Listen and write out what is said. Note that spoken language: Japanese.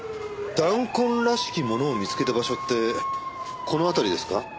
弾痕らしきものを見つけた場所ってこの辺りですか？